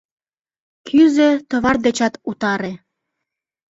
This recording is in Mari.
Кӱзӧ, товар дечат утаре.